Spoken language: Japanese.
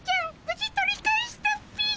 無事取り返したっピィ。